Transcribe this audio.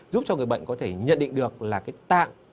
giúp cho người bệnh có thể nhận định được là cái tạng